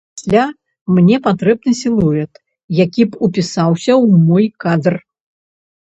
Пасля мне патрэбны сілуэт, які б упісаўся ў мой кадр.